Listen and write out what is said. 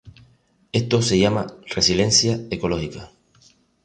Esto se llama Resiliencia ecológica.